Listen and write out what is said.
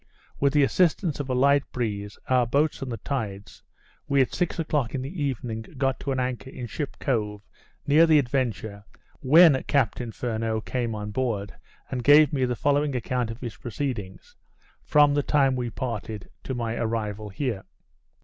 With the assistance of a light breeze, our boats, and the tides, we at six o'clock in the evening, got to an anchor in Ship Cove, near the Adventure, when Captain Furneaux came on board, and gave me the following account of his proceedings, from the time we parted to my arrival here.